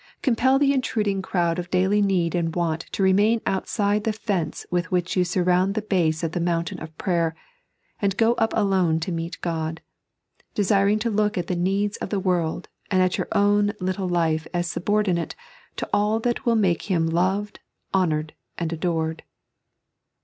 Compel the intruding crowd of daUy need find want to remain outside the fence with which you sturoond the baae of the mountain of prayer, and go up alone to meet God, desiriBg to look at the needs of the world and at your own little life as subordinate to all that will m&ke Him loved, honoured, and adored.